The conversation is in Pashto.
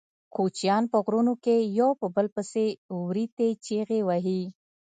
کوچیان په غرونو کې یو په بل پسې وریتې چیغې وهي.